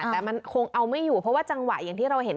แต่มันคงเอาไม่อยู่เพราะว่าจังหวะอย่างที่เราเห็น